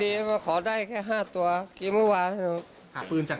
ตัวกินเมื่อวานหาพื้นจากไหนยังเปรี้ยนอยู่ยังเอาพื้นให้คนเท่า